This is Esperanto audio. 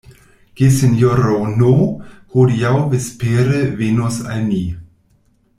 Gesinjoroj N. hodiaŭ vespere venos al ni.